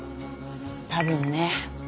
多分ね。